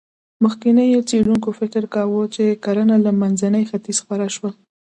مخکېنو څېړونکو فکر کاوه، چې کرنه له منځني ختیځ خپره شوه.